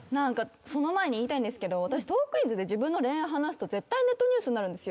その前に言いたいんですけど私『トークィーンズ』で自分の恋愛話すと絶対ネットニュースになるんですよ。